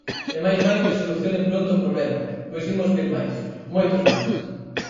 E máis vale que solucionen pronto o problema, pois imos vir máis, moitos máis.